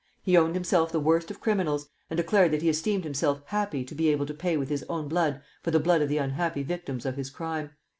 He owned himself the worst of criminals, and declared that he esteemed himself happy to be able to pay with his own blood for the blood of the unhappy victims of his crime.